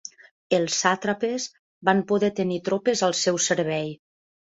Els sàtrapes van poder tenir tropes al seu servei.